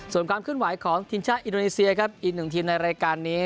ส่วนความเคลื่อนไหวของทีมชาติอินโดนีเซียครับอีกหนึ่งทีมในรายการนี้